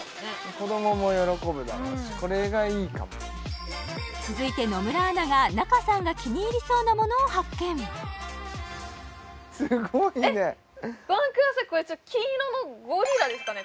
子どもも喜ぶだろうしこれがいいかも続いて野村アナが仲さんが気に入りそうなものを発見すごいね金色のゴリラですかね？